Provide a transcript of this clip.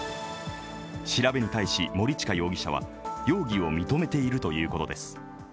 調べに対し、森近容疑者は容疑を認めているということです。